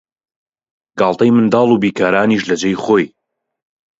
گاڵتەی منداڵ و بیکارانیش لە جێی خۆی